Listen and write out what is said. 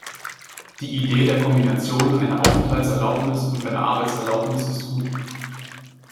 Die Idee der Kombination einer Aufenthaltserlaubnis und einer Arbeitserlaubnis ist gut.